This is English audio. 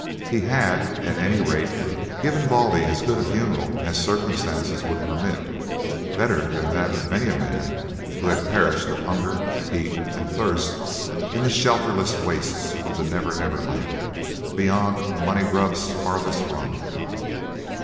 He had, at any rate, given Baldy as good a funeral as circumstances would permit, better than that of many a man who had perished of hunger, heat, and thirst, in the shelterless wastes of the Never Never Land, "beyond Moneygrub's farthest run."